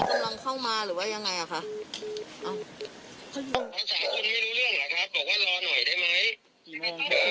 กำลังเข้ามาหรือว่ายังไงอ่ะค่ะเอาทั้งสามคนไม่รู้เรื่องเหรอครับ